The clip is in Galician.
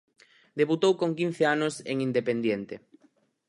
Debutou con quince anos en "Indepediente".